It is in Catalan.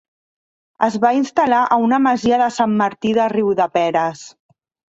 Es va instal·lar a una masia de Sant Martí de Riudeperes.